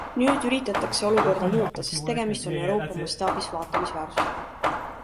Nüüd üritatakse olukorda muuta, sest tegemist on Euroopa mastaabis vaatamisväärsusega.